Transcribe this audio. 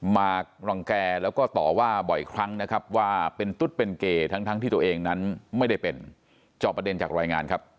มาร่องแก่แล้วก็ต่อว่าบ่อยครั้งนะครับว่าเป็นตุ๊ดเป็นเก่ทั้งที่ตัวเองนั้นไม่ได้เป็น